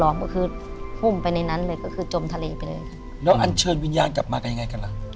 ก็คือหุ้มไปในนั้นเลยก็คือจมทะเลไปเลยค่ะแล้วอันเชิญวิญญาณกลับมากันยังไงกันล่ะ